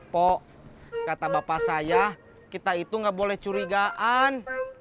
pok kata bapak saya kita itu gak boleh curigaan